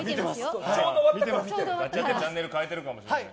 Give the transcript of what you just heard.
チャンネル変えてるかもしれない。